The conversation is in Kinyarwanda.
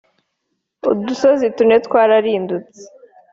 Udusozi tune twararidutse